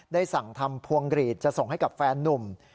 สั่งทำพวงกรีดจะส่งให้กับแฟนนุ่ม